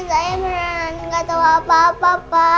saya benar benar nggak tahu apa apa